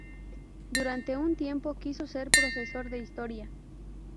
Durante un tiempo quiso ser profesor de Historia.